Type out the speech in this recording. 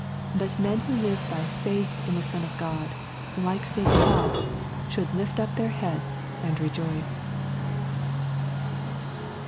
But men who live by faith in the Son of God, like St. Paul, should lift up their heads and rejoice.